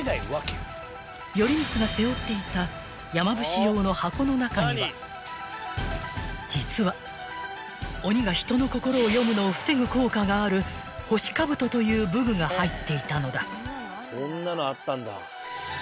［頼光が背負っていた山伏用の箱の中には実は鬼が人の心を読むのを防ぐ効果がある星兜という武具が入っていたのだ］